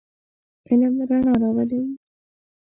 علم رڼا راولئ.